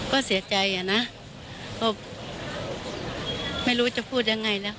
ก็เสียใจอะนะก็ไม่รู้จะพูดยังไงนะ